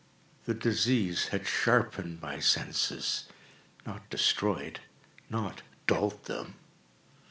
The disease had sharpened my senses—not destroyed—not dulled them.